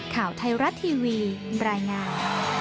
ข่าวไทยรัฐทีวีรายงาน